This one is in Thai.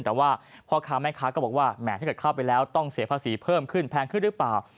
แต่ว่าพ่อค้าแม่ค้าก็บอกว่าแหมถ้าเกิดเข้าไปแล้วต้องเสียภาษีเพิ่มขึ้นแพงขึ้นหรือเปล่า